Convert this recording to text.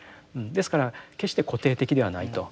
ですから決して固定的ではないと。